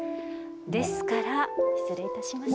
ですから失礼いたします。